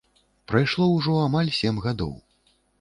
Прайшло ўжо амаль сем гадоў.